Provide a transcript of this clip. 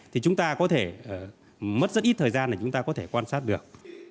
thì chúng ta có thể mất rất ít thời gian để chúng ta có thể quan sát được